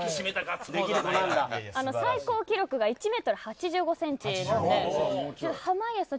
最高記録が１メートル８５センチ濱家さん